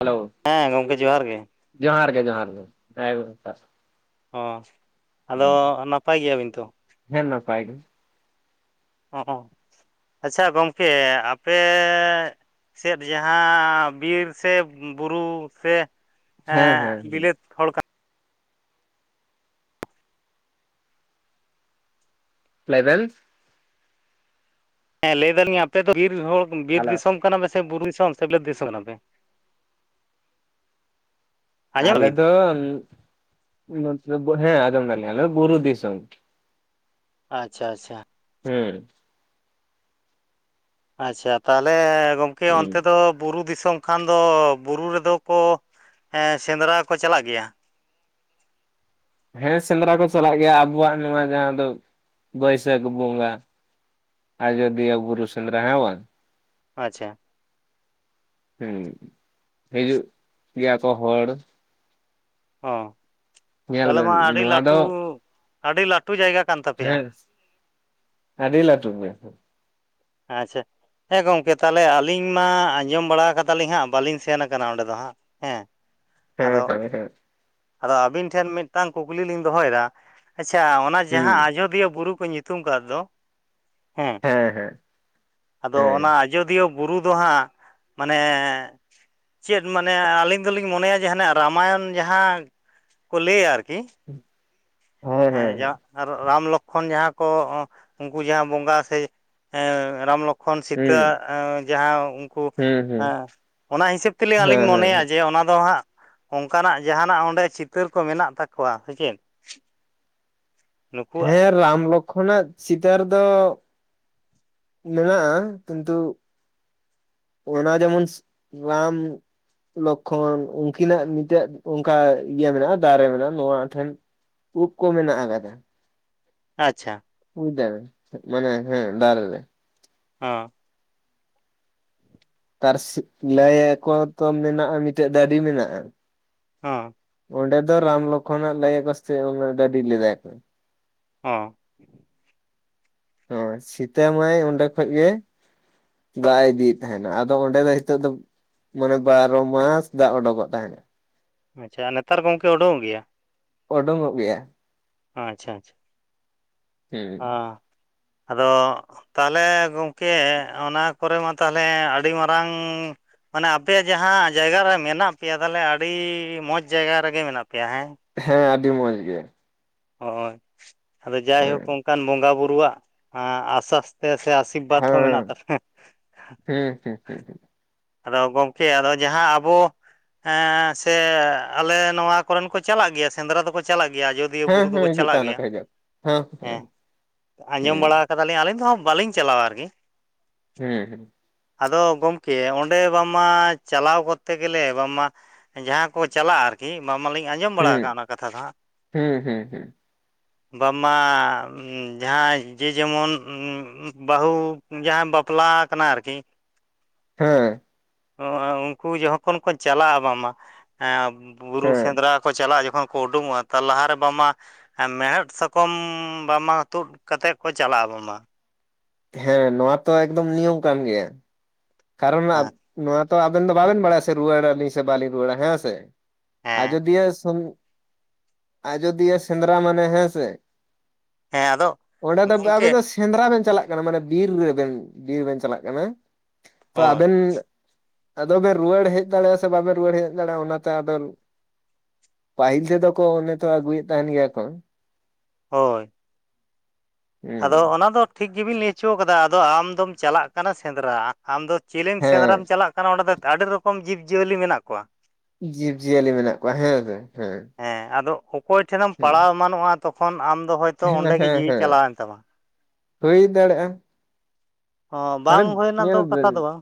Hello ᱦᱮᱸ ᱜᱚᱝᱠᱮ ᱡᱚᱦᱟᱨ ᱜᱮ ᱡᱚᱦᱟᱨ ᱜᱮ ᱡᱚᱦᱟᱨ ᱜᱮ ᱦᱮᱸ [unintelligible] ᱚ ᱟᱫᱚ ᱱᱟᱯᱟᱭ ᱜᱮᱭᱟᱵᱤᱱ ᱛᱚ ᱦᱮᱸ ᱱᱟᱯᱟᱭ ᱜᱮ ᱚ ᱟᱪᱪᱷᱟ ᱜᱚᱝᱠᱮ ᱟᱯᱮ ᱥᱮᱫ ᱡᱟᱦᱟᱸ ᱵᱤᱨ ᱥᱮ ᱵᱩᱨᱩ ᱥᱮ ᱦᱮᱸ ᱦᱮᱸ ᱵᱤᱞᱟᱹᱛ ᱦᱚᱲ ᱠᱟᱱ ᱞᱟᱭᱵᱮᱱ ᱦᱮᱸ ᱞᱟᱹᱭ ᱫᱟᱞᱤᱧ ᱟᱯᱮ ᱫᱚ ᱵᱤᱨ ᱦᱚᱲ ᱵᱤᱨ ᱦᱮᱞᱳ ᱫᱤᱥᱚᱢ ᱠᱟᱱᱟᱯᱮ ᱥᱮ ᱵᱩᱨᱩ ᱫᱤᱥᱚᱢ ᱥᱮ ᱵᱤᱞᱟᱹᱛ ᱫᱤᱥᱚᱢ ᱠᱟᱱᱟᱯᱮ ᱟᱸᱡᱚᱢ ᱟᱞᱮ ᱵᱤᱱ ᱫᱚᱢ ᱱᱚᱛᱮ ᱦᱮᱸ ᱟᱡᱚᱢ ᱫᱟᱞᱤᱧ ᱟᱞᱮ ᱫᱚ ᱵᱩᱨᱩ ᱫᱤᱥᱚᱢ ᱟᱪᱪᱷᱟ ᱟᱪᱪᱷᱟ ᱦᱩᱸ ᱟᱪᱪᱷᱟ ᱛᱟᱦᱞᱮ ᱜᱚᱝᱠᱮ ᱦᱮᱸ ᱚᱸᱱᱛᱮ ᱫᱚ ᱵᱩᱨᱩ ᱫᱤᱥᱚᱢ ᱠᱷᱟᱱ ᱫᱚ ᱵᱩᱨᱩ ᱨᱮᱫᱚ ᱠᱚ ᱥᱮᱸᱫᱽᱨᱟ ᱠᱚ ᱪᱟᱞᱟᱜ ᱜᱮᱭᱟ᱾ ᱦᱮᱸ ᱥᱮᱸᱫᱽᱨᱟ ᱠᱚ ᱪᱟᱞᱟᱜ ᱜᱮᱭᱟ ᱟᱵᱚᱣᱟᱜ ᱱᱚᱣᱟ ᱡᱟᱸᱦᱟ ᱫᱚ ᱵᱟᱹᱭᱥᱟᱹᱠ ᱵᱚᱸᱜᱟ ᱟᱡᱚᱫᱤᱭᱟᱹ ᱵᱩᱨᱩ ᱥᱮᱫᱽᱨᱟ ᱦᱮᱸ ᱵᱟᱝ ᱟᱪᱪᱷᱟ ᱦᱮᱸ ᱦᱤᱡᱩᱜ ᱜᱮᱭᱟ ᱠᱚ ᱦᱚᱲ ᱚ ᱧᱮᱞ ᱛᱟᱦᱚᱞᱮ ᱵᱮᱱ ᱢᱟ ᱟᱹᱰᱤ ᱱᱚᱣᱟ ᱞᱟᱹᱴᱩ ᱫᱚ ᱟᱹᱰᱤ ᱞᱟᱹᱴᱩ ᱡᱟᱭᱜᱟ ᱠᱟᱱ ᱛᱟᱯᱮᱭᱟ᱾ ᱦᱮᱸ ᱟᱹᱰᱤ ᱞᱟᱹᱴᱩ ᱜᱮ ᱟᱪᱪᱷᱟ ᱦᱮᱸ ᱜᱚᱝᱠᱮ ᱛᱟᱦᱚᱞᱮ ᱟᱹᱞᱤᱧ ᱢᱟ ᱟᱸᱡᱚᱢ ᱵᱟᱲᱟ ᱠᱟᱫᱟᱞᱤᱧ ᱦᱟᱸᱜ ᱵᱟᱹᱞᱤᱧ ᱥᱮᱱ ᱠᱟᱱᱟ ᱚᱸᱰᱮ ᱫᱚ ᱦᱟᱸᱜ ᱦᱮᱸ ᱦᱮᱸ ᱟᱫᱚ ᱦᱮᱸ ᱦᱮᱸ ᱟᱫᱚ ᱟᱵᱤᱱ ᱴᱷᱮᱱ ᱢᱤᱫᱴᱟᱝ ᱠᱩᱠᱞᱤ ᱞᱤᱧ ᱫᱚᱦᱚᱭᱫᱟ ᱟᱪᱪᱷᱟ ᱚᱱᱟ ᱡᱟᱸᱦᱟ ᱟᱡᱚᱫᱤᱭᱟᱹ ᱵᱩᱨᱩ ᱠᱚ ᱧᱩᱛᱩᱢ ᱧᱩᱛᱩᱢ ᱠᱟᱫᱽ ᱫᱚ ᱦᱮᱸ ᱟᱫᱚ ᱦᱮᱸ ᱚᱱᱟ ᱟᱡ ᱟᱡᱚᱫᱤᱭᱟᱹ ᱵᱩᱨᱩ ᱫᱚ ᱦᱟᱸᱜ ᱢᱟᱱᱮ ᱪᱮᱫ ᱢᱟᱱᱮ ᱟᱹᱞᱤᱧ ᱫᱚᱞᱤᱧ ᱢᱚᱱᱮᱭᱟ ᱡᱮ ᱨᱟᱢᱟᱭᱚᱱ ᱡᱟᱸᱦᱟ ᱠᱚ ᱞᱟᱹᱭᱟ ᱟᱨᱠᱤ ᱦᱮᱸ ᱡᱟ ᱨᱟᱢ ᱞᱚᱠᱷᱚᱱ ᱠᱷᱚᱱ ᱡᱟᱸᱦᱟ ᱠᱚ ᱩᱱᱠᱩ ᱡᱟᱸᱦᱟ ᱵᱚᱸᱜᱟ ᱥᱮ ᱨᱟᱢ ᱞᱚᱠ ᱠᱷᱚᱱ ᱥᱤᱛᱟᱹ ᱦᱮᱸ ᱡᱟᱸᱦᱟ ᱩᱱᱠᱩ ᱦᱮᱸ ᱚᱱᱟ ᱦᱤᱥᱟᱹᱵᱽ ᱛᱮᱞᱤᱧ ᱟᱞᱤᱧ ᱦᱮᱸ ᱦᱮᱸ ᱢᱚᱱᱮᱭᱟ ᱡᱮ ᱚᱱᱟ ᱫᱚ ᱦᱟᱸᱜ ᱚᱱᱠᱟᱱᱟᱜ ᱡᱟᱦᱟᱱᱟᱜ ᱚᱸᱰᱮ ᱪᱤᱛᱟᱹᱨ ᱠᱚ ᱢᱮᱱᱟᱜ ᱛᱟᱠᱚᱣᱟ ᱥᱮ ᱪᱮᱫ? ᱱᱩᱠᱩᱣᱟᱜ ᱦᱮᱸ ᱨᱟᱢ ᱞᱚᱠᱷᱚᱱᱟᱜ ᱪᱤᱛᱟᱹᱨ ᱫᱚ ᱢᱮᱱᱟᱜᱼᱟ ᱠᱤᱱᱛᱩ ᱚᱱᱟ ᱡᱮᱢᱚᱱ ᱨᱟᱢ ᱞᱚᱠᱷᱚᱱ ᱩᱱᱠᱤᱱᱟᱜ ᱢᱤᱫᱴᱮᱡ ᱚᱱᱠᱟ ᱤᱭᱟᱹ ᱢᱮᱱᱟᱜᱼᱟ ᱫᱟᱨᱮ ᱢᱮᱱᱟᱜᱼᱟ ᱱᱚᱣᱟ ᱴᱷᱮᱱ ᱩᱸᱵ ᱠᱚ ᱢᱮᱱᱟᱜ ᱟᱠᱟᱫᱟ᱾ ᱟᱪᱪᱷᱟ [unintelligible] ᱢᱟᱱᱮ ᱦᱮᱸ ᱫᱟᱨᱮ ᱨᱮ ᱦᱚᱸ ᱟᱨ ᱥᱤ ᱞᱟᱹᱭ ᱟᱠᱚ ᱛᱚ ᱢᱮᱱᱟᱜᱼᱟ ᱢᱤᱫᱴᱮᱡ ᱫᱟᱹᱨᱤ ᱢᱮᱱᱟᱜᱼᱟ᱾ ᱦᱚᱸ ᱚᱸᱰᱮ ᱫᱚ ᱨᱟᱢ ᱞᱚᱠᱠᱷᱚᱱᱟᱜ ᱞᱟᱹᱭ ᱟᱠᱚ ᱥᱮ ᱰᱟᱰᱤ ᱞᱮᱫᱟ ᱠᱚ ᱦᱚᱸ ᱦᱚᱭ ᱥᱤᱛᱟᱹ ᱢᱟᱹᱭ ᱚᱸᱰᱮ ᱠᱷᱚᱡ ᱜᱮ ᱫᱟᱜ ᱤᱫᱤᱭᱮᱫ ᱛᱟᱦᱮᱸᱱᱟ ᱟᱫᱚ ᱚᱸᱰᱮ ᱫᱚ ᱱᱤᱛᱳᱜ ᱫᱚ ᱢᱟᱱᱮ ᱵᱟᱨᱚ ᱢᱟᱥ ᱫᱟᱜ ᱚᱰᱳᱠᱚᱜ ᱛᱟᱸᱦᱮᱱᱟ ᱾ ᱟᱪᱪᱷᱟ ᱱᱮᱛᱟᱨ ᱜᱚᱢᱠᱮ ᱳᱰᱳᱠᱚᱜ ᱜᱮᱭᱟ ᱳᱰᱳᱝᱚᱜ ᱜᱮᱭᱟ ᱟᱪᱪᱷᱟ ᱟᱪᱪᱷᱟ ᱚ ᱦᱩᱸ ᱟᱫᱚ ᱛᱟᱦᱞᱮ ᱜᱚᱝᱠᱮ ᱚᱱᱟ ᱠᱚᱨᱮ ᱢᱟ ᱛᱟᱦᱞᱮ ᱟᱹᱰᱤ ᱢᱟᱨᱟᱝ ᱢᱟᱱᱮ ᱟᱯᱮᱭᱟᱜ ᱡᱟᱸᱦᱟ ᱡᱟᱭᱜᱟ ᱨᱮ ᱢᱮᱱᱟᱜ ᱯᱮᱭᱟ ᱛᱟᱦᱚᱞᱮ ᱟᱹᱰᱤ ᱢᱚᱸᱡᱽ ᱡᱟᱭᱜᱟ ᱨᱮᱜᱮ ᱢᱮᱱᱟᱜ ᱯᱮᱭᱟ ᱦᱮᱸ ᱦᱮᱸ ᱟᱹᱰᱤ ᱢᱚᱸᱡᱽ ᱜᱮ ᱦᱳᱭ ᱟᱫᱚ ᱡᱟᱭᱦᱳᱠ ᱦᱮᱸ ᱚᱱᱠᱟᱱ ᱵᱚᱸᱜᱟ ᱵᱩᱨᱩᱣᱟᱜ ᱟᱥᱟᱥᱛᱮ ᱥᱮ ᱟᱸᱥ ᱵᱟᱸᱛ ᱦᱚᱸ ᱢᱮᱱᱟᱜ ᱦᱮᱸ ᱛᱟᱯᱮ ᱦᱩᱸ ᱦᱩᱸᱦᱩᱸᱻ ᱟᱫᱚ ᱜᱚᱝᱠᱮ ᱟᱫᱚ ᱡᱟᱦᱟᱸ ᱟᱵᱚ ᱟᱸ ᱥᱮ ᱟᱞᱮ ᱱᱚᱣᱟ ᱠᱚᱨᱮᱱ ᱠᱚ ᱪᱟᱞᱟᱜ ᱜᱮᱭᱟ ᱥᱮᱸᱫᱽᱨᱟ ᱫᱚᱠᱚ ᱪᱟᱞᱟᱜ ᱜᱮᱭᱟ ᱡᱩᱫᱤ ᱟᱡᱚᱫᱤᱭᱟᱹ ᱦᱮᱸ ᱵᱩᱨᱩ ᱫᱚᱠᱚ ᱦᱤᱡᱩᱜ ᱪᱟᱞᱟᱜ ᱛᱟᱦᱮᱱᱟ ᱜᱮᱭᱟ ᱠᱚ ᱦᱤᱡᱩᱜ ᱦᱮᱸ ᱟᱸᱡᱚᱢ ᱵᱟᱲᱟ ᱦᱮᱸ ᱠᱟᱫᱟᱞᱤᱧ ᱟᱹᱞᱤᱧ ᱫᱚᱦᱟᱜ ᱵᱟᱞᱤᱧ ᱪᱟᱞᱟᱣᱟ ᱟᱨᱠᱤ ᱦᱮᱸ ᱦᱮᱸ ᱟᱫᱚ ᱜᱚᱢᱠᱮ ᱚᱸ ᱚᱸᱰᱮ ᱵᱟᱝᱢᱟ ᱪᱟᱞᱟᱣ ᱠᱚᱨᱛᱮ ᱜᱮᱞᱮ ᱵᱟᱝᱢᱟ ᱡᱟᱦᱟᱸ ᱠᱚ ᱪᱟᱞᱟᱜᱼᱟ ᱟᱨᱠᱤ ᱠᱤ ᱵᱟᱝ ᱢᱟᱞᱤᱧ ᱟᱸᱡᱚᱢ ᱵᱟᱲᱟ ᱠᱟᱜᱼᱟ ᱦᱮᱸ ᱚᱱᱟ ᱠᱟᱛᱷᱟ ᱫᱚ ᱦᱟᱸᱜ ᱦᱮᱸ ᱦᱮᱸ ᱵᱟᱝ ᱢᱟ ᱡᱟᱦᱟᱸᱭ ᱡᱮ ᱡᱮᱢᱚᱱ ᱵᱟᱹᱦᱩ ᱡᱟᱦᱟᱭ ᱵᱟᱯᱞᱟ ᱠᱟᱱᱟᱭ ᱟᱨᱠᱤ ᱦᱮᱸ ᱩᱱᱠᱩ ᱡᱚᱠᱷᱚᱱ ᱠᱚ ᱪᱟᱞᱟᱜᱼᱟ ᱵᱟᱝᱟ ᱵᱩᱨᱩ ᱦᱮᱸ ᱥᱮᱸᱫᱽᱨᱟ ᱠᱚ ᱪᱟᱞᱟᱜᱼᱟ ᱡᱚᱠᱷᱚᱱ ᱠᱚ ᱩᱰᱩᱝᱚᱜᱼᱟ ᱛᱟᱨ ᱞᱟᱦᱟᱨᱮ ᱵᱟᱝᱢᱟ ᱦᱮᱸ ᱢᱮᱲᱦᱮᱫ ᱥᱟᱠᱚᱢ ᱵᱟᱝ ᱢᱟ ᱛᱩᱫ ᱠᱟᱛᱮᱛ ᱠᱚ ᱪᱟᱞᱟᱜᱼᱟ ᱵᱟᱝᱢᱟ ᱦᱮᱸ ᱱᱚᱣᱟ ᱛᱚ ᱮᱠᱫᱚᱢ ᱱᱤᱭᱚᱢ ᱠᱟᱱ ᱜᱮᱭᱟ ᱠᱟᱨᱚᱱ ᱦᱮᱸ ᱱᱚᱣᱟ ᱛᱚ ᱟᱵᱮᱱ ᱫᱚ ᱵᱟᱵᱮᱱ ᱵᱟᱲᱟᱭᱟ ᱥᱮ ᱨᱩᱣᱟᱹᱲ ᱟᱹᱞᱤᱧ ᱥᱮ ᱵᱟᱞᱤᱧ ᱨᱩᱣᱟᱹᱲᱟ ᱦᱮᱸ ᱥᱮ ᱦᱮᱸ ᱟᱡᱚᱫᱤᱭᱟᱹ ᱥ ᱟᱡᱚᱫᱤᱭᱟᱹ ᱥᱮᱸᱫᱽᱨᱟ ᱢᱟᱱᱮ ᱦᱮᱸ ᱥᱮ ᱦᱮᱸ ᱟᱫᱚ ᱚᱸᱰᱮ ᱫᱚ ᱜᱚᱢᱠᱮ ᱟᱵᱮᱱ ᱫᱚ ᱥᱮᱸᱫᱽᱨᱟ ᱵᱮᱱ ᱪᱟᱞᱟᱜ ᱠᱟᱱᱟ ᱢᱟᱱᱮ ᱵᱤᱨ ᱨᱮᱵᱮᱱ ᱵᱤᱨ ᱵᱮᱱ ᱪᱟᱞᱟᱜ ᱠᱟᱱᱟ ᱛᱚ ᱦᱳᱭ ᱟᱵᱮᱱ ᱟᱫᱚ ᱵᱮᱱ ᱨᱩᱣᱟᱹᱲ ᱦᱮᱡ ᱫᱟᱲᱮᱭᱟᱜᱼᱟ ᱥᱮ ᱵᱟᱵᱮᱱ ᱨᱩᱣᱟᱹᱲ ᱦᱮᱡ ᱫᱟᱲᱮᱭᱟᱜᱼᱟ ᱚᱱᱟᱛᱮ ᱟᱫᱚ ᱯᱟᱦᱤᱞ ᱛᱮ ᱫᱚᱠᱚ ᱚᱱᱮ ᱛᱚ ᱟᱜᱩᱭᱮᱫ ᱛᱟᱦᱮᱱ ᱜᱮᱭᱟ ᱠᱚ ᱦᱳᱭ ᱟᱫᱚ ᱦᱮᱸ ᱚᱱᱟ ᱫᱚ ᱴᱷᱤᱠ ᱜᱮᱵᱤᱱ ᱞᱟᱹᱭ ᱦᱚᱪᱚ ᱠᱟᱫᱟ ᱟᱫᱚ ᱟᱢ ᱫᱚᱢ ᱪᱟᱞᱟᱜ ᱠᱟᱱᱟ ᱥᱮᱸᱫᱽᱨᱟ ᱟᱢ ᱫᱚ ᱪᱮᱞᱮᱢ ᱥᱮᱸᱫᱽᱨᱟᱢ ᱦᱮᱸ ᱪᱟᱞᱟᱜ ᱠᱟᱱᱟ ᱚᱸᱰᱮ ᱫᱚ ᱟᱹᱰᱤ ᱨᱚᱠᱚᱢ ᱡᱤᱵᱽᱼᱡᱤᱭᱟᱹᱞᱤ ᱢᱮᱱᱟᱜ ᱠᱚᱣᱟ ᱡᱤᱵᱽ ᱡᱤᱭᱟᱹᱞᱤ ᱢᱮᱱᱟᱜ ᱠᱚᱣᱟ ᱦᱮᱸᱥᱮ ᱦᱮᱸ ᱦᱮᱸ ᱟᱫᱚ ᱚᱠᱚᱭ ᱴᱷᱮᱱᱮᱢ ᱦᱩᱸ ᱯᱟᱲᱟᱣ ᱮᱢᱟᱱᱚᱜᱼᱟ ᱛᱚᱠᱷᱚᱱ ᱟᱢ ᱫᱚ ᱦᱚᱭᱛᱚ ᱦᱮᱸ ᱚᱸᱰᱮ ᱜᱮ ᱦᱮᱸ ᱡᱤᱣᱤ ᱦᱮᱸ ᱪᱟᱞᱟᱣᱮᱱ ᱛᱟᱢᱟ ᱦᱩᱭ ᱫᱟᱲᱮᱜᱼᱟ ᱚ ᱵᱟᱝ ᱦᱩᱭ ᱨᱮᱱᱟᱜ ᱧᱮᱞ ᱫᱚ ᱠᱟᱛᱷᱟ ᱵᱮᱱ ᱫᱚ ᱵᱟᱝ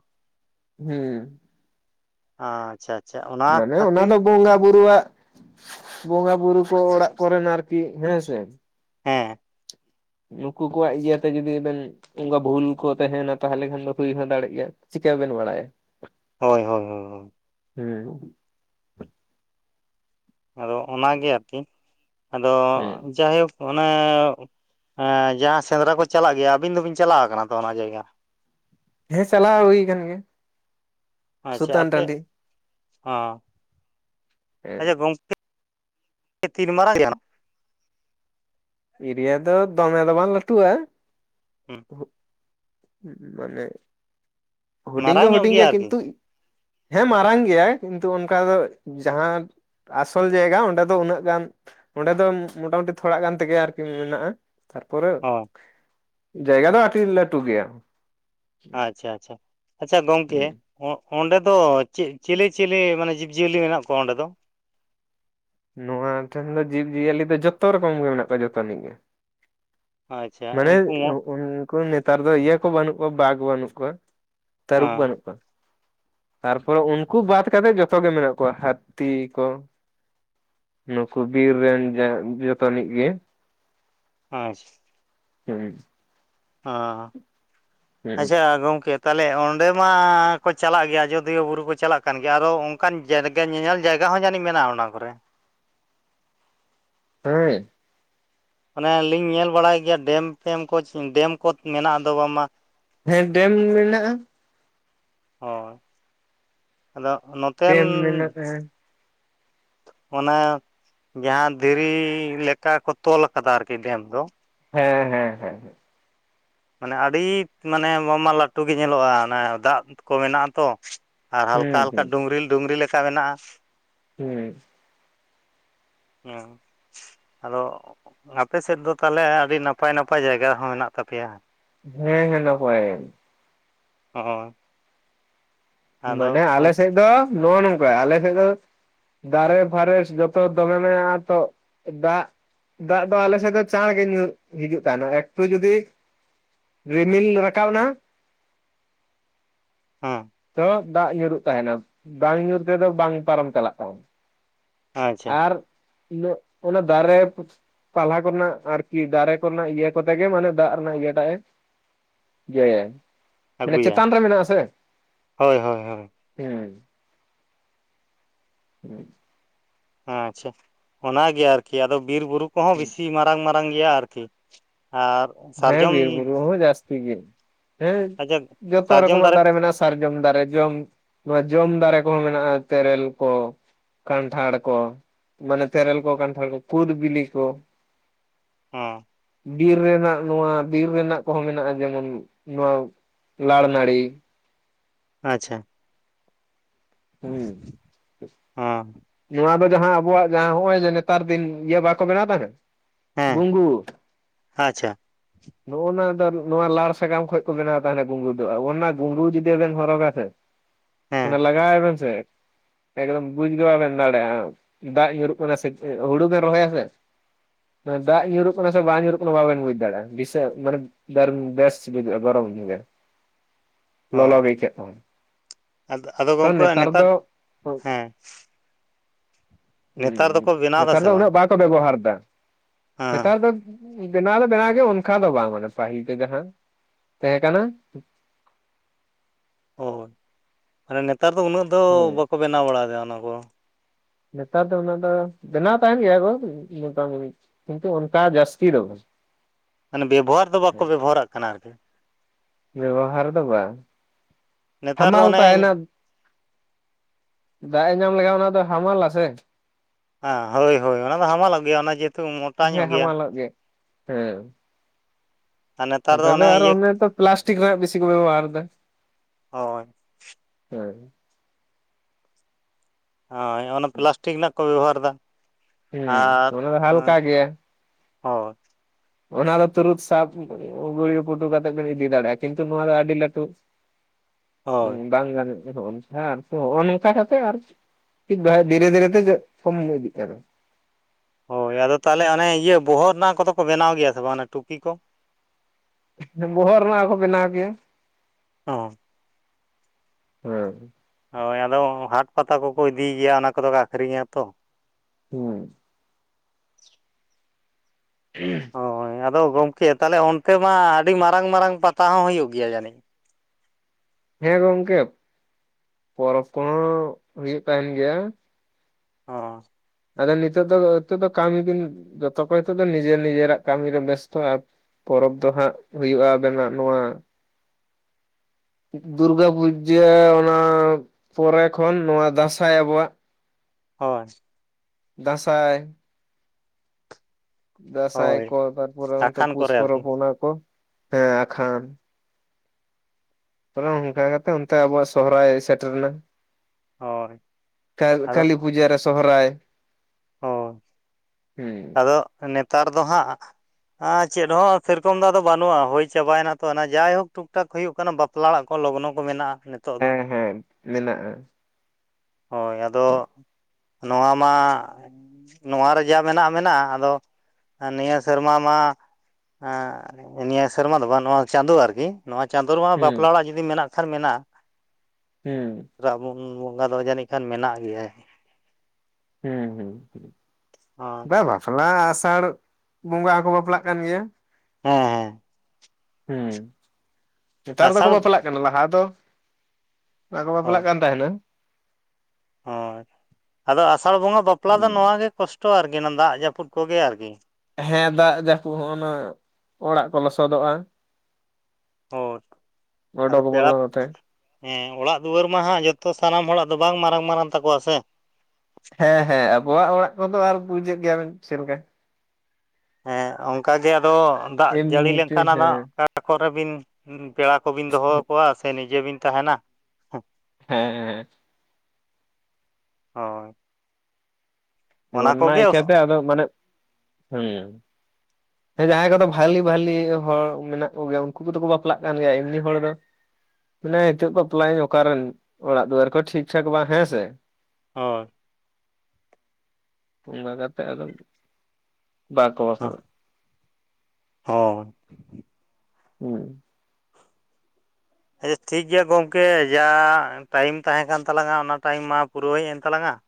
ᱦᱮᱸ ᱟᱪᱪᱷᱟ ᱟᱪᱪᱷᱟ ᱚᱱᱟ ᱢᱟᱱᱮ ᱚᱱᱟ ᱠᱷᱟᱹᱛᱤᱨ ᱫᱚ ᱵᱚᱸᱜᱟ ᱵᱩᱨᱩᱣᱟᱜ ᱵᱚᱸᱜᱟ ᱵᱩᱨᱩ ᱠᱚ ᱚᱲᱟᱜ ᱠᱚᱨᱮᱱ ᱟᱨᱠᱤ ᱦᱮᱸ ᱥᱮ ᱦᱮᱸ ᱱᱩᱠᱩ ᱠᱚᱣᱟᱜ ᱤᱭᱟᱹᱛᱮ ᱡᱩᱫᱤ ᱵᱮᱱ ᱚᱱᱠᱟ ᱵᱷᱩᱞ ᱠᱚ ᱛᱟᱦᱮᱱᱟ ᱛᱟᱦᱚᱞᱮ ᱠᱷᱟᱱ ᱫᱚ ᱦᱩᱭ ᱦᱚᱸ ᱫᱟᱲᱮᱜ ᱜᱮᱭᱟ ᱪᱤᱠᱟᱹ ᱵᱮᱱ ᱵᱟᱲᱟᱭᱟ ᱦᱳᱭ ᱦᱳᱭ ᱦᱳᱭ ᱦᱩᱸ ᱟᱫᱚ ᱚᱱᱟᱜᱮ ᱟᱨᱠᱤ ᱟᱫᱚ ᱦᱮᱸ ᱡᱟᱭᱦᱳᱠ ᱚᱱᱮ ᱻᱦᱮᱸ ᱡᱟᱦᱟᱸ ᱥᱮᱸᱫᱽᱨᱟ ᱠᱚ ᱪᱟᱞᱟᱜ ᱜᱮᱭᱟ, ᱟᱹᱵᱤᱱ ᱫᱚᱵᱤᱱ ᱪᱟᱞᱟᱣ ᱟᱠᱟᱱᱟ ᱛᱚ ᱚᱱᱟ ᱡᱟᱭᱜᱟ? ᱦᱮᱸ ᱪᱟᱞᱟᱣ ᱦᱩᱭ ᱟᱠᱟᱱ ᱜᱮᱭᱟ ᱾ ᱟᱪᱪᱷᱟ ᱟᱯᱮᱜ, ᱦᱚᱸ ᱦᱮᱸ ᱟᱪᱪᱷᱟ ᱜᱚᱝ ᱦᱤᱛ ᱛᱤᱱ ᱢᱟᱨᱟᱝ ᱭᱟᱱᱟ᱾ ᱤᱨᱤᱭᱟ. ᱫᱚ ᱫᱚᱢᱮ ᱫᱚ ᱵᱟᱝ ᱞᱟᱹᱴᱩᱣᱟ ᱦᱩᱸᱜ ᱢᱟᱱᱮ ᱦᱩᱰᱤᱧ ᱫᱚ ᱢᱟᱨᱟᱝ ᱧᱚᱜ ᱦᱩᱰᱤᱧ ᱜᱮᱭᱟ ᱟᱨᱠᱤ ᱠᱤᱱᱛᱩᱡ ᱦᱮᱸ ᱢᱟᱨᱟᱝ ᱜᱮᱭᱟᱭ, ᱠᱤᱱᱛᱩ ᱚᱱᱠᱟ ᱫᱚ ᱡᱟᱦᱟᱸ ᱟᱥᱚᱞ ᱡᱟᱭᱜᱟ ᱚᱸᱰᱮ ᱫᱚ ᱩᱱᱟᱹᱜ ᱜᱟᱱ ᱚᱸᱰᱮ ᱫᱚ ᱢᱚᱴᱟᱢᱩᱴᱤ ᱛᱷᱚᱲᱟᱜ ᱜᱟᱱ ᱛᱮᱜᱮ ᱟᱨᱠᱤ ᱢᱮᱱᱟᱜᱼᱟ, ᱛᱟᱨᱯᱚᱨᱮ ᱦᱳᱭ ᱡᱟᱭᱜᱟ ᱫᱚ ᱟᱹᱴᱤ ᱞᱟᱹᱴᱩ ᱜᱮᱭᱟ ᱟᱪᱪᱷᱟ ᱟᱪᱪᱷᱟ, ᱟᱪᱪᱷᱟ? ᱜᱚᱝᱠᱮ ᱚᱸᱰᱮ ᱫᱚ ᱪᱮᱫ, ᱪᱮᱞᱮ ᱪᱤᱞᱮ ᱢᱟᱱᱮ ᱡᱤᱵᱽᱡᱤᱭᱟᱹᱞᱤ ᱢᱮᱱᱟᱜ ᱠᱚᱣᱟ ᱚᱸᱰᱮ ᱫᱚ? ᱱᱚᱣᱟ ᱴᱷᱮᱸᱱ ᱫᱚ ᱡᱤᱵᱽ ᱡᱤᱭᱟᱹᱞᱤ ᱫᱚ ᱡᱚᱛᱚ ᱨᱮᱠᱚᱢ ᱜᱮ ᱢᱮᱱᱟᱜ ᱠᱚᱣᱟ ᱡᱚᱛᱚᱱᱤᱡ ᱜᱮ᱾ ᱟᱪᱪᱷᱟ ᱢᱟᱱᱮ ᱩᱱᱠᱩ ᱢᱚ ᱱᱩ ᱩᱱ ᱠᱩ ᱫᱚ ᱱᱮᱛᱟᱨ ᱫᱚ ᱤᱭᱟᱹ ᱠᱚ ᱵᱟᱹᱱᱩᱜ ᱠᱚᱣᱟ ᱵᱟᱜᱽ ᱵᱟᱹᱱᱩᱜ ᱠᱚᱣᱟ, ᱛᱟᱹᱨᱩᱵ ᱦᱮᱸ ᱵᱟᱹᱱᱩᱜ ᱠᱚᱣᱟ᱾ ᱛᱟᱨᱯᱚᱨᱮ ᱩᱱᱠᱩ ᱵᱟᱫᱽ ᱠᱟᱛᱮ ᱡᱚᱛᱚ ᱜᱮ ᱢᱮᱱᱟᱜ ᱠᱚᱣᱟ, ᱦᱟᱹᱛᱤ ᱠᱚ ᱱᱩᱠᱩ ᱵᱤᱨ ᱨᱮᱱ ᱡᱟ ᱡᱳᱛᱳᱱᱤᱡ ᱜᱮ, ᱟᱪᱷ ᱦᱩᱸ ᱟ, ᱦᱩᱸ ᱟᱪᱪᱷᱟ ᱜᱚᱝᱠᱮᱫ ᱛᱟᱦᱮᱞᱮ ᱚᱸᱰᱮ ᱢᱟ ᱠᱚ ᱪᱟᱞᱟᱜ ᱜᱮᱭᱟ ᱟᱡᱚᱫᱤᱭᱟᱹ ᱵᱩᱨᱩ ᱠᱚ ᱪᱟᱞᱟᱜ ᱠᱟᱱ ᱜᱮᱭᱟ, ᱟᱫᱚ ᱚᱸᱠᱟᱱ ᱡᱮᱫᱽ ᱜᱮ ᱧᱮᱧᱮᱞ ᱡᱟᱭᱜᱟ ᱦᱚᱸ ᱡᱟᱹᱱᱤᱡ ᱢᱮᱱᱟᱜᱼᱟ ᱚᱱᱟ ᱠᱚᱨᱮ ᱦᱚᱭ ᱚᱱᱮ ᱞᱤᱧ ᱧᱮᱞ ᱵᱟᱲᱟᱭ ᱜᱮᱭᱟ ᱰᱮᱢ ᱯᱷᱮᱢ ᱠᱚᱪ ᱰᱮᱢ ᱠᱚ ᱢᱮᱱᱟᱜ ᱫᱚ ᱵᱟᱝᱢᱟ, ᱦᱮᱸ ᱰᱮᱢ ᱢᱮᱱᱟᱜᱼᱟ, ᱦᱚᱭ! ᱟᱫᱚᱜ ᱱᱚᱛᱮᱱ ᱰᱮᱢ ᱢᱮᱱᱟᱜᱼᱟ ᱦᱮᱸ ᱚᱱᱟ ᱡᱟᱦᱟᱸ ᱫᱷᱤᱨᱤ ᱞᱮᱠᱟ ᱠᱚ ᱛᱚᱞ ᱟᱠᱟᱫᱟ ᱟᱨᱠᱤ ᱰᱮᱢ ᱫᱚ? ᱦᱮᱸ ᱦᱮᱸ ᱢᱟᱱᱮ ᱟᱹᱰᱤ ᱢᱟᱱᱮ ᱵᱟᱝᱢᱟ ᱞᱟᱹᱴᱩ ᱜᱮ ᱧᱮᱞᱚᱜᱼᱟ, ᱚᱱᱟ ᱫᱟᱜ ᱠᱚ ᱢᱮᱱᱟᱜᱼᱟ ᱛᱚ᱾ ᱟᱨ ᱦᱟᱞᱠᱟ ᱦᱩᱸ ᱦᱟᱞᱠᱟ ᱦᱩᱸ ᱰᱩᱝᱨᱤᱞ ᱰᱩᱝᱨᱤ ᱞᱮᱠᱟ ᱢᱮᱱᱟᱜᱼᱟ᱾ ᱦᱩᱸ ᱦᱩᱸ ᱟᱫᱚ, ᱟᱯᱮ ᱥᱮᱫ ᱫᱚ ᱛᱟᱦᱮᱞᱮ ᱟᱹᱰᱤ ᱱᱟᱯᱟᱭ ᱱᱟᱯᱟᱭ ᱡᱟᱭᱜᱟ ᱦᱚᱸ ᱢᱮᱱᱟᱜ ᱛᱟᱯᱮᱭᱟ᱾ ᱦᱮᱸᱻᱦᱮᱸ ᱱᱟᱯᱟᱭ ᱦᱚᱜ ᱚᱸᱭ ᱢᱟᱱᱮ ᱟᱞᱮ ᱥᱮᱫ ᱫᱚ ᱱᱚᱜᱼᱚᱭ ᱱᱚᱝᱠᱟ ᱟᱞᱮ ᱥᱮᱫ ᱫᱚ ᱫᱟᱨᱮ ᱯᱷᱟᱨᱮᱥ ᱡᱚᱛᱚ ᱫᱚᱢᱮ ᱢᱮᱱᱟᱜᱼᱟ, ᱛᱚ ᱫᱟᱜ ᱫᱟᱜ ᱫᱚ ᱟᱞᱮ ᱥᱮᱫ ᱫᱚ ᱪᱟᱬ ᱜᱮ ᱧᱩᱨ ᱦᱤᱡᱩᱜ ᱛᱟᱦᱮᱱᱚᱜ, ᱮᱠᱴᱩ ᱡᱩᱫᱤ ᱨᱤᱢᱤᱞ ᱨᱟᱠᱟᱵ ᱮᱱᱟ, ᱦᱚᱸ ᱛᱚ ᱫᱟᱜ ᱧᱩᱨᱩᱜ ᱛᱟᱦᱮᱱᱟ ᱵᱟᱝ ᱧᱩᱨ ᱛᱮᱫᱚ ᱵᱟᱝ ᱯᱟᱨᱚᱢ ᱪᱟᱞᱟᱜ ᱛᱟᱦᱮᱸᱫ ᱾ ᱟᱪᱪᱷᱟ ᱟᱨ ᱤᱱᱟᱹᱜ ᱚᱱᱟ ᱫᱟᱨᱮᱯ ᱯᱟᱞᱦᱟ ᱠᱚᱨᱮᱱᱟᱜ ᱟᱨᱠᱤ ᱫᱟᱨᱮ ᱠᱚᱨᱮᱱᱟᱜ ᱤᱭᱟᱹ ᱠᱚᱛᱮ ᱜᱮ ᱢᱟᱱᱮ ᱫᱟᱜ ᱨᱮᱱᱟᱜ ᱤᱭᱟᱹᱴᱟᱜ ᱮ ᱜᱮ ᱢᱟᱱᱮ ᱟᱹᱜᱩᱭᱟᱭ ᱪᱮᱛᱟᱱ ᱨᱮ ᱢᱮᱱᱟᱜᱼᱟ ᱥᱮ? ᱦᱳᱭ ᱦᱳᱭ ᱦᱳᱭ᱾ ᱦᱮᱸ [inaudible] ᱟᱻᱪᱷᱟ ᱚᱱᱟᱜᱮ ᱟᱨᱠᱤ ᱟᱫᱚ ᱵᱤᱨ ᱵᱩᱨᱩ ᱠᱚᱦᱚᱸ ᱵᱤᱥᱤ ᱢᱟᱨᱟᱝ ᱢᱟ ᱢᱟᱨᱟᱝ ᱜᱮᱭᱟ ᱟᱨᱠᱤ ᱟᱨ ᱦᱮᱸ ᱥᱟᱨᱡᱚᱢ ᱵᱤᱨ ᱵᱩᱨᱩ ᱦᱚᱸ ᱡᱟᱹᱥᱛᱤ ᱜᱮ, ᱦᱮᱸ ᱟᱪᱪᱷᱟ ᱡᱚᱛᱚ ᱨᱮᱠᱚᱢᱟᱜ ᱫᱟᱨᱮ ᱢᱮᱱᱟᱜᱼᱟ ᱥᱮ ᱥᱟᱨᱡᱚᱢ ᱫᱟᱨᱮ ᱡᱚᱢ ᱱᱚᱣᱟ ᱡᱚᱢ ᱫᱟᱨᱮ ᱠᱚᱦᱚᱸ ᱢᱮᱱᱟᱜᱼᱟ ᱛᱮᱨᱮᱞ ᱠᱚ ᱠᱟᱱᱴᱷᱟᱲ ᱠᱚ ᱢᱟᱱᱮ ᱛᱮᱨᱮᱞ ᱠᱚ ᱠᱟᱱᱴᱷᱟᱲ ᱠᱚ ᱠᱩᱫ ᱵᱤᱞᱤ ᱠᱚ ᱦᱚᱸ ᱵᱤᱨ ᱨᱮᱱᱟᱜ ᱱᱚᱣᱟ ᱵᱤᱨ ᱨᱮᱱᱟᱜ ᱠᱚᱦᱚᱸ ᱢᱮᱱᱟᱜᱼᱟ ᱡᱮᱢᱚᱱ ᱱᱚᱣᱟ ᱞᱟᱲ ᱱᱟᱲᱤ ᱟᱪᱪᱷᱟ ᱦᱩᱸ ᱦᱚᱸ ᱱᱚᱣᱟ ᱫᱚ ᱡᱟᱦᱟᱸ ᱟᱵᱚᱣᱟᱜ ᱡᱟᱦᱟᱸ ᱱᱚᱜ ᱚᱭ ᱡᱮ ᱱᱮᱛᱟᱨ ᱫᱤᱱ ᱤᱭᱟᱹ ᱵᱟᱠᱚ ᱵᱮᱱᱟᱣ ᱛᱟᱦᱮᱸᱫ ᱦᱮᱸ ᱜᱷᱩᱸᱜᱩ [inaudible] ᱱᱚᱜ ᱱᱟ ᱫᱚ ᱱᱚᱣᱟ ᱞᱟᱲ ᱥᱟᱠᱟᱢ ᱠᱷᱚᱡ ᱠᱚ ᱵᱮᱱᱟᱣ ᱛᱟᱦᱮᱱᱟ ᱜᱩᱸᱜᱩ ᱫᱚ ᱚᱱᱟ ᱜᱩᱸᱜᱩ ᱡᱩᱫᱤ ᱵᱮᱱ ᱦᱚᱨᱚᱜᱟ ᱥᱮ ᱦᱮᱸ ᱢᱟᱱᱮ ᱞᱟᱜᱟᱣ ᱵᱮᱱ ᱥᱮ ᱮᱠᱫᱚᱢ ᱵᱩᱡ ᱜᱮ ᱵᱟᱵᱮᱱ ᱫᱟᱲᱮᱜ ᱟ ᱫᱟᱜ ᱧᱩᱨᱩᱜ ᱠᱟᱱᱟ ᱥᱮ ᱪᱮ ᱦᱩᱲᱩ ᱵᱮᱱ ᱨᱚᱦᱚᱭᱟ ᱥᱮ ᱫᱟᱜ ᱧᱩᱨᱩᱜ ᱠᱟᱱᱟ ᱥᱮ ᱵᱟᱝ ᱧᱩᱨᱩᱜ ᱠᱟᱱᱟ ᱵᱟᱵᱮᱱ ᱵᱩᱡ ᱫᱟᱲᱮᱭᱟᱜᱼᱟ ᱫᱤᱥᱟᱹ ᱢᱟᱱᱮ ᱫᱟᱨᱩᱱ ᱵᱮᱥ ᱵᱩᱡᱩᱜᱼᱟ ᱜᱚᱨᱚᱢ ᱜᱮ ᱞᱚᱞᱚ ᱜᱮ ᱟᱹᱭᱠᱟᱹᱜ ᱛᱟᱢᱟ ᱟᱫ ᱟᱫᱚ ᱛᱚ ᱜᱚᱢᱠᱮ ᱱᱮᱛᱟᱨ ᱫᱚ ᱦᱮᱸ ᱱᱮᱛᱟᱨ ᱫᱚᱠᱚ ᱵᱮᱱᱟᱣ ᱮᱫᱟ ᱱᱮᱛᱟᱨ ᱥᱮ ᱫᱚ ᱵᱟᱝ ᱩᱱᱟᱹᱜ ᱵᱟᱠᱚ ᱵᱮᱵᱚᱦᱟᱨ ᱮᱫᱟ ᱦᱮᱸ ᱱᱮᱛᱟᱨ ᱫᱚ ᱵᱮᱱᱟᱣ ᱫᱚ ᱵᱮᱱᱟᱣ ᱜᱮ ᱚᱱᱠᱟ ᱫᱚ ᱵᱟᱝ ᱢᱟᱱᱮ ᱯᱟᱹᱦᱤᱞ ᱛᱮ ᱡᱟᱦᱟᱸ ᱛᱟᱦᱮᱸ ᱠᱟᱱᱟ ᱚ ᱢᱟᱱᱮ ᱱᱮᱛᱟᱨ ᱫᱚ ᱩᱱᱟᱹᱜ ᱫᱚ ᱦᱮᱸ ᱵᱟᱠᱚ ᱵᱮᱱᱟᱣ ᱵᱟᱲᱟᱭᱫᱟ ᱚᱱᱟᱠᱚ᱾ ᱱᱮᱛᱟᱨ ᱫᱚ ᱚᱱᱟ ᱫᱚ ᱵᱮᱱᱟᱣ ᱛᱟᱦᱮᱱ ᱜᱮᱭᱟ ᱠᱚ ᱢᱚᱴᱟ ᱢᱩᱲᱤᱡ ᱠᱤᱱᱛᱩ ᱚᱱᱠᱟ ᱡᱟᱹᱥᱛᱤ ᱫᱚ ᱵᱟᱝ ᱢᱟᱱᱮ ᱵᱮᱵᱚᱦᱟᱨ ᱫᱚ ᱵᱟᱠᱚ ᱵᱮᱵᱚᱦᱟᱨᱟᱜ ᱠᱟᱱᱟ ᱟᱨᱠᱤ᱾ ᱵᱮᱵᱚᱦᱟᱨ ᱫᱚ ᱵᱟ ᱱᱮᱛᱟᱨ ᱫᱚ ᱚᱱᱮ ᱫᱟᱜ ᱮ ᱧᱟᱢ ᱞᱮᱠᱷᱟᱱ ᱚᱱᱟ ᱫᱚ ᱦᱟᱢᱟᱞᱟ ᱥᱮ ᱦᱮᱸ ᱦᱳᱭ ᱦᱳᱭ ᱚᱱᱟ ᱫᱚ ᱦᱟᱢᱟᱞᱚᱜ ᱜᱮᱭᱟ ᱚᱱᱟ ᱡᱮ ᱦᱮᱸ ᱦᱟᱢᱟᱞᱚᱜ ᱜᱮᱭᱟ ᱦᱮᱸ ᱱᱮᱛᱟᱨ ᱫᱚ ᱟᱨ ᱚᱱᱮ ᱛᱚ ᱯᱞᱟᱥᱴᱤᱠ ᱨᱮᱱᱟᱜ ᱵᱮᱥᱤ ᱠᱚ ᱵᱮᱵᱚᱦᱟᱨ ᱫᱟ ᱦᱳᱭ ᱦᱮᱸ ᱦᱳᱭ ᱚᱱᱟ ᱯᱞᱟᱥᱴᱤᱠ ᱨᱮᱱᱟᱜ ᱠᱚ ᱵᱮᱵᱚᱦᱟᱨ ᱫᱟ ᱦᱮᱸ ᱟᱨ ᱚᱱᱟ ᱫᱚ ᱦᱟᱞᱠᱟ ᱜᱮᱭᱟ ᱦᱳᱭ ᱚᱱᱟ ᱫᱚ ᱛᱩᱨᱩᱫ ᱥᱟᱵ ᱜᱩᱲᱩ ᱯᱩᱴᱩ ᱠᱟᱛᱮᱜ ᱵᱤᱱ ᱤᱫᱤ ᱫᱟᱲᱮᱭᱟᱜᱼᱟ ᱠᱤᱱᱛᱩ ᱱᱚᱣᱟ ᱫᱚ ᱟᱹᱰᱤ ᱞᱟᱹᱴᱩ [inaudible] ᱵᱟᱝ [unintelligible] ᱠᱟ ᱠᱟᱛᱮ ᱟᱨᱠᱤ ᱴᱤᱡ ᱫᱷᱤᱨᱮ ᱫᱷᱤᱨᱮ ᱛᱮ ᱠᱚᱢ ᱤᱫᱤᱜ ᱠᱟᱱᱟ᱾ ᱦᱳᱭ ᱟᱫᱚ ᱛᱟᱦᱚᱞᱮ ᱚᱱᱮ ᱤᱭᱟᱹ ᱵᱚᱦᱚᱜ ᱨᱮᱱᱟᱜ ᱠᱚᱫᱚ ᱠᱚ ᱵᱮᱱᱟᱣ ᱜᱮᱭᱟ ᱥᱮ ᱵᱟᱝ ᱴᱩᱯᱤ ᱠᱚ? ᱵᱚᱦᱚᱜ ᱨᱮᱱᱟᱜ ᱠᱚ ᱵᱮᱱᱟᱣ ᱜᱮᱭᱟ ᱦᱚᱸ ᱦᱮᱸ ᱦᱳᱭ ᱟᱫᱚ ᱦᱟᱴ ᱯᱟᱛᱟ ᱠᱚᱠᱚ ᱤᱫᱤᱭ ᱜᱮᱭᱟ ᱚᱱᱟ ᱠᱚᱫᱚ ᱠᱚ ᱟᱠᱷᱨᱤᱧᱟ ᱛᱚ᱾ ᱦᱮᱸ [unintelligible] ᱦᱳᱭ ᱟᱫᱚ ᱜᱚᱢᱠᱮ ᱛᱟᱦᱚᱞᱮ ᱚᱱᱛᱮ ᱢᱟ ᱟᱹᱰᱤ ᱢᱟᱨᱟᱝ ᱢᱟᱨᱟᱝ ᱯᱟᱛᱟ ᱦᱚᱸ ᱦᱩᱭᱩᱜ ᱜᱮᱭᱟ ᱡᱟᱹᱱᱤᱡ? ᱦᱮᱸ ᱜᱚᱝᱠᱮ ᱯᱚᱨᱚᱵᱽ ᱠᱚᱦᱚᱸ ᱦᱩᱭᱩᱜ ᱛᱟᱦᱮᱱ ᱜᱮᱭᱟ᱾ ᱚ ᱟᱫᱚ ᱱᱤᱛᱚᱜ ᱫᱚ ᱱᱤᱛᱚᱜ ᱫᱚ ᱠᱟᱹᱢᱤ ᱠᱤᱱ ᱡᱚᱛᱚ ᱠᱚ ᱱᱤᱛᱚᱜ ᱫᱚ ᱱᱤᱡᱮᱨ ᱱᱤᱡᱮᱨᱟᱜ ᱠᱟᱹᱢᱤ ᱨᱮ ᱵᱮᱥᱛᱚ ᱯᱚᱨᱚᱵᱽ ᱫᱚ ᱦᱟᱸᱜ ᱦᱩᱭᱩᱜᱼᱟ ᱟᱵᱮᱱᱟᱜ ᱱᱚᱣᱟ ᱫᱩᱨᱜᱟᱹ ᱯᱩᱡᱟᱹ ᱚᱱᱟ ᱯᱚᱨᱮ ᱠᱷᱚᱱ ᱱᱚᱣᱟ ᱫᱟᱸᱥᱟᱭ ᱟᱵᱚᱣᱟᱜ᱾ ᱦᱳᱭ ᱫᱟᱸᱥᱟᱭ, ᱫᱟᱸᱥᱟᱭ ᱦᱳᱭ ᱠᱚ ᱛᱟᱨᱯᱚᱨ ᱚᱱᱛᱮ ᱟᱠᱷᱟᱱ ᱯᱩᱥ ᱠᱚᱨᱮ ᱟᱨᱠᱤ ᱯᱚᱨᱚᱵ ᱚᱱᱟ ᱠᱚ, ᱦᱮᱸ ᱮᱠᱷᱟᱱ ᱾ ᱯᱩᱨᱟᱹ ᱚᱱᱠᱟ ᱠᱟᱛᱮ ᱚᱱᱛᱮ ᱟᱵᱚᱣᱟᱜ ᱥᱚᱦᱨᱟᱭ ᱥᱮᱴᱮᱨ ᱮᱱᱟ᱾ ᱦᱳᱭ ᱠᱟ ᱠᱟᱞᱤ ᱯᱩᱡᱟ ᱨᱮ ᱥᱚᱦᱨᱟᱭ ᱾ ᱚ ᱟᱫᱚ ᱱᱮᱛᱟᱨ ᱫᱚ ᱦᱟᱸᱜ ᱟᱸ ᱪᱮᱫ ᱦᱚᱸ ᱥᱮᱨᱚᱠᱚᱢ ᱫᱟᱜ ᱫᱚ ᱵᱟᱹᱱᱩᱜᱼᱟ ᱦᱩᱭᱳ ᱪᱟᱵᱟᱭᱮᱱᱟ ᱛᱚ ᱡᱟᱭ ᱦᱳᱠ ᱴᱩᱠ ᱴᱟᱠ ᱦᱩᱭᱩᱜ ᱠᱟᱱᱟ ᱵᱟᱯ ᱞᱟ ᱚᱲᱟᱜ ᱠᱚ ᱞᱚᱜᱱᱚ ᱠᱚ ᱢᱮᱱᱟᱜᱼᱟ ᱾ ᱦᱮᱸ ᱦᱮᱸ ᱢᱮᱱᱟᱜᱼᱟ ᱾ ᱦᱳᱭ ᱟᱫᱚ ᱱᱚᱣᱟ ᱢᱟ ᱱᱚ ᱨᱮ ᱡᱟ ᱢᱮᱱᱟᱜᱼᱟ ᱢᱮᱱᱟᱜᱼᱟ ᱟᱫᱚ ᱱᱤᱭᱟᱹ ᱥᱮᱨᱢᱟ ᱢᱟ ᱮᱸᱜ ᱱᱤᱭᱟᱹ ᱥᱮᱨᱢᱟ ᱫᱚ ᱱᱚᱭᱟᱹ ᱪᱟᱸᱫᱚ ᱟᱨᱠᱤ ᱾ ᱱᱚᱣᱟ ᱪᱟᱸᱫᱳ ᱨᱮ ᱢᱟᱦᱟ ᱦᱩᱸ ᱵᱟᱯᱞᱟ ᱚᱲᱟᱜ ᱡᱩᱫᱤ ᱢᱮᱱᱟᱜ ᱠᱷᱟᱱ ᱢᱮᱱᱟᱜᱼᱟ ᱾ ᱦᱮᱸ ᱾ ᱥᱚᱨᱟᱵᱚᱱ ᱵᱚᱸᱜᱟ ᱫᱚ ᱡᱟᱹᱱᱤᱡ ᱠᱷᱟᱱ ᱢᱮᱱᱟᱜ ᱜᱮᱭᱟ᱾ ᱦᱩᱸ ᱦᱩᱸ ᱦᱩᱸ, ᱦᱚᱸ ᱵᱟ ᱵᱟᱯᱞᱟ ᱟᱥᱟᱲ ᱵᱚᱸᱜᱟ ᱦᱚᱸᱠᱚ ᱵᱟᱯᱞᱟᱜ ᱠᱟᱱ ᱜᱮᱭᱟ᱾ ᱦᱮᱸ ᱦᱮᱸ ᱾ ᱦᱮᱸ ᱱᱮᱛᱟᱨ ᱫᱚᱠᱚ ᱟᱥᱟᱲ ᱵᱟᱯᱞᱟᱜ ᱠᱟᱱᱟ ᱞᱟᱦᱟ ᱫᱚ ᱵᱟᱠᱚ ᱵᱟᱯᱞᱟᱜ ᱦᱳᱭ ᱠᱟᱱ ᱛᱟᱦᱮᱱᱟ ᱾ ᱦᱳᱭ ᱟᱫᱚ ᱟᱥᱟᱲ ᱵᱚᱸᱜᱟ ᱵᱟᱯᱞᱟ ᱫᱚ ᱦᱩᱸ ᱱᱚᱣᱟ ᱜᱮ ᱠᱚᱥᱴᱚ ᱟᱨᱠᱤ ᱫᱟᱜ ᱡᱟᱹᱯᱩᱫ ᱠᱚᱜᱮ ᱟᱨᱠᱤ ᱾ ᱦᱮᱸ ᱫᱟᱜ ᱡᱟᱹᱯᱩᱫ ᱦᱚᱸᱜ ᱚᱱᱟ ᱚᱲᱟᱜ ᱠᱚ ᱞᱚᱥᱚᱫᱚᱜᱼᱟ ᱾ ᱦᱳᱭ ᱜᱚᱰᱚ ᱟᱫᱚ ᱠᱚ ᱯᱮᱲᱟ ᱵᱚᱞᱚ ᱠᱟᱛᱮ ᱦᱮᱸ ᱚᱲᱟᱜ ᱫᱩᱣᱟᱹᱨ ᱢᱟ ᱦᱟᱸᱜ ᱡᱚᱛᱚ ᱥᱟᱱᱟᱢ ᱦᱚᱲᱟᱜ ᱫᱚ ᱵᱟᱝ ᱢᱟᱨᱟᱝ ᱢᱟᱨᱟᱝ ᱛᱟᱠᱚᱣᱟ ᱥᱮ ᱾ ᱦᱮᱸ ᱦᱮᱸ ᱟᱵᱚᱣᱟᱜ ᱚᱲᱟᱜ ᱠᱚᱫᱚ ᱟᱨ ᱵᱩᱡᱮᱫ ᱜᱮᱭᱟᱵᱮᱱ ᱪᱮᱫ ᱞᱮᱠᱟ ᱾ ᱦᱮᱸ ᱚᱱᱠᱟ ᱜᱮ ᱟᱫᱚ ᱫᱟᱜ ᱡᱟᱹᱲᱤ ᱮᱢᱱᱤᱛᱮ ᱞᱮᱱᱠᱷᱟᱱ [unintelligible] ᱦᱮᱸ ᱚᱠᱟ ᱠᱚ ᱨᱮᱵᱤᱱ ᱯᱮᱲᱟ ᱠᱚᱵᱤᱱ ᱫᱚᱦᱚᱣᱟᱠᱚᱣᱟ ᱥᱮ ᱱᱤᱡᱮ ᱵᱤᱱ ᱛᱟᱦᱮᱱᱟ ᱾ ᱦᱮᱸ ᱦᱮᱸ ᱾ ᱦᱳᱭ ᱾ ᱚᱱᱱᱟ ᱦᱳᱭ ᱤᱠᱷᱟᱹᱛᱮ ᱟᱫᱚ ᱢᱟᱱᱮ ᱦᱩᱸ ᱾ ᱦᱮᱸ ᱡᱟᱦᱟᱸᱭ ᱠᱚᱫᱚ ᱵᱷᱟᱞᱞᱤ ᱵᱷᱟᱞᱤ ᱦᱚᱲ ᱢᱮᱱᱟᱜ ᱠᱚᱜᱮᱭᱟ ᱩᱱᱠᱩ ᱠᱚᱫᱚ ᱠᱚ ᱵᱟᱯᱞᱟᱜ ᱠᱟᱱ ᱜᱮᱭᱟ ᱮᱢᱱᱤ ᱦᱚᱲ ᱫᱚ ᱢᱟᱱᱮ ᱱᱤᱛᱚᱜ ᱵᱟᱯᱞᱟᱭᱟᱹᱧ ᱚᱠᱟᱨᱮᱱ ᱚᱲᱟᱜ ᱫᱩᱣᱟᱹᱨ ᱠᱚ ᱴᱷᱤᱠ ᱴᱷᱟᱠ ᱵᱟᱝ ᱦᱮᱸ ᱥᱮ ᱾ ᱦᱳᱭ ᱾ ᱚᱱᱠᱟ ᱠᱟᱛᱮ ᱟᱫᱚ ᱵᱟᱠᱚ ᱵᱟᱯᱞᱟ ᱦᱳᱭ ᱾ ᱦᱩᱸ ᱾ ᱟᱪᱪᱷᱟ ᱴᱷᱤᱠ ᱜᱮᱭᱟ ᱜᱚᱢᱠᱮ ᱡᱟ ᱴᱟᱭᱤᱢ ᱛᱟᱦᱮᱸ ᱠᱟᱱ ᱛᱟᱞᱟᱝᱟ ᱚᱱᱟ ᱴᱟᱭᱤᱢ ᱢᱟ ᱯᱩᱨᱟᱹᱣ ᱦᱮᱡ ᱮᱱ ᱛᱟᱞᱟᱝᱼᱟ ᱾